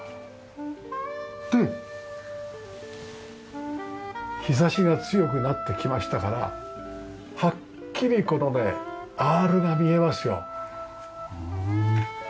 で日差しが強くなってきましたからはっきりこのねアールが見えますよ。